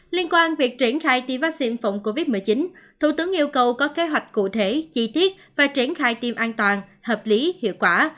liên quan việc triển khai tiêm vaccine phòng covid một mươi chín thủ tướng yêu cầu có kế hoạch cụ thể chi tiết và triển khai tiêm an toàn hợp lý hiệu quả